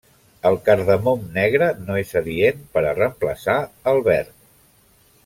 El cardamom negre no és adient per a reemplaçar al verd.